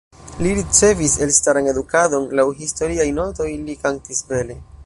Li ricevis elstaran edukadon, laŭ historiaj notoj, li kantis bele.